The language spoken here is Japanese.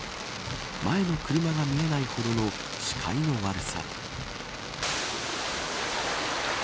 前の車が見えないほどの視界の悪さ。